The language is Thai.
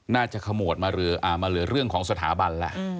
น่าจะขโมดมาเหลือเรื่องของสถาบันแหละ